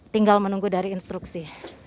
tinggal menunggu dari instruksi